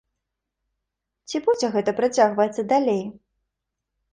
Ці будзе гэта працягвацца далей?